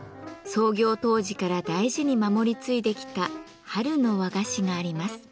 創業当時から大事に守り継いできた春の和菓子があります。